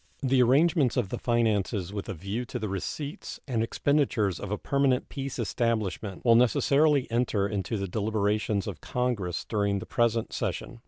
The arrangements of the finances with a view to the receipts and expenditures of a permanent peace establishment will necessarily enter into the deliberations of Congress during the present session.